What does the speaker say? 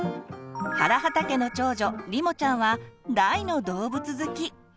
原畠家の長女りもちゃんは大の動物好き。